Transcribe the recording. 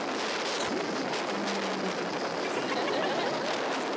元気です。